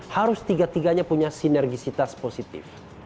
harus tiga tiganya punya sinergisitas positif